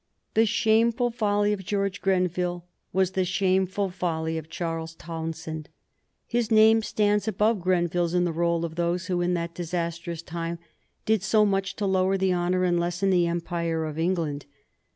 The shameful folly of George Grenville was the shameful folly of Charles Townshend. His name stands above Grenville's in the roll of those who in that disastrous time did so much to lower the honor and lessen the empire of England.